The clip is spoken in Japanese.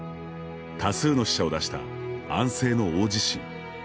多数の死者を出した安政の大地震。